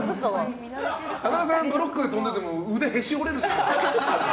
田中さんブロックで跳んでても腕へし折れる。